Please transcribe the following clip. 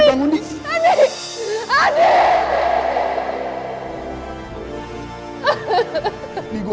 jangan kembali lagi